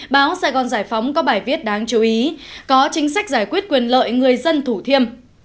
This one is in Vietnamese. báo sài gòn giải phóng có bài viết đáng chú ý có chính sách giải quyết quyền lợi người dân thủ thiêm